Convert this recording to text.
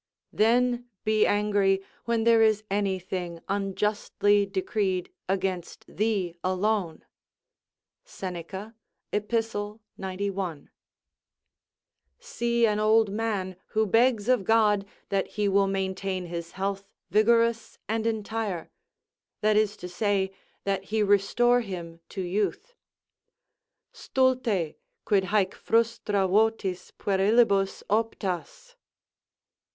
["Then be angry, when there is anything unjustly decreed against thee alone." Seneca, Ep., 91.] See an old man who begs of God that he will maintain his health vigorous and entire; that is to say, that he restore him to youth: "Stulte, quid haec frustra votis puerilibus optas?"